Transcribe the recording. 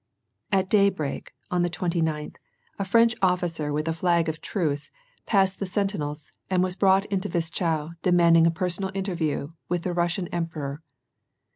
At daybreak, on the twenty ninth, a French officer with a 312 WAR AND PEACE. flag of tmce passed the sentinels, and was brought into Wischau, demanding a personal interview with the Bussian Emperor.